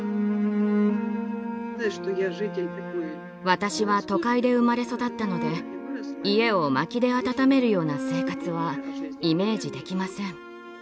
私は都会で生まれ育ったので家を薪で暖めるような生活はイメージできません。